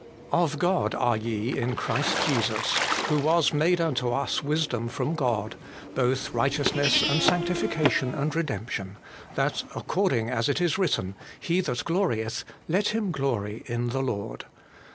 1 Of God are ye in Christ Jesus, who was made unto us wisdom from God, both righteousness and sanctification and redemption; that, according as it is written, He that glorieth, let him glory in the Lord.'